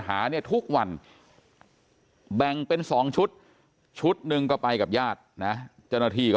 หาเนี่ยทุกวันแบ่งเป็น๒ชุดชุดหนึ่งก็ไปกับญาตินะเจ้าหน้าที่ก็